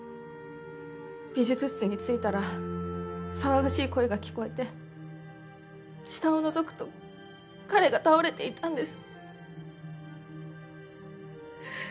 美術室に着いたら騒がしい声が聞こえて下をのぞくと彼が倒れていたんです。